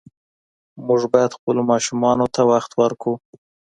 موږ باید خپلو ماشومانو ته وخت ورکړو.